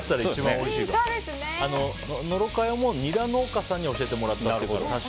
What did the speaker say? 野呂佳代もニラ農家さんに教えてもらったって。